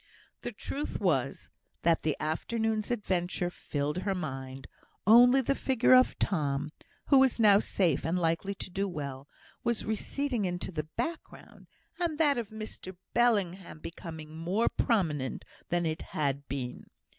The truth was, that the afternoon's adventure filled her mind; only, the figure of Tom (who was now safe, and likely to do well) was receding into the background, and that of Mr Bellingham becoming more prominent than it had been.